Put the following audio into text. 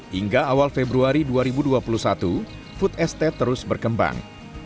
hingga awal februari dua ribu dua puluh satu food estate terus berkembang